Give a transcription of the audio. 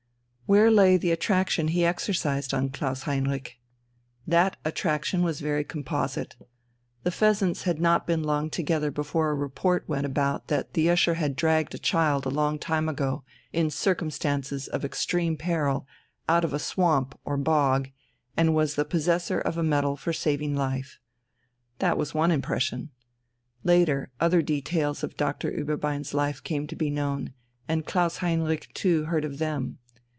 Where lay the attraction he exercised on Klaus Heinrich? That attraction was very composite. The "Pheasants" had not been long together before a report went about that the usher had dragged a child a long time ago, in circumstances of extreme peril, out of a swamp or bog, and was the possessor of a medal for saving life. That was one impression. Later other details of Doctor Ueberbein's life came to be known, and Klaus Heinrich too heard of them.